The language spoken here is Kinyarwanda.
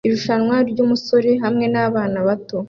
Irushanwa ryubusore hamwe nabana bato